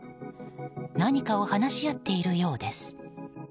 何かを話し合っているようです。